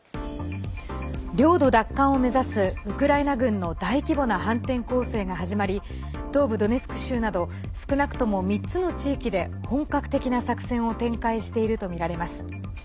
領土奪還を目指すウクライナ軍の大規模な反転攻勢が始まり東部ドネツク州など少なくとも３つの地域で本格的な作戦を展開しているとみられます。